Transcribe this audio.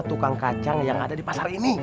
tukang kacang yang ada di pasar ini